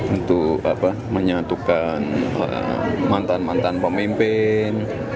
untuk menyatukan mantan mantan pemimpin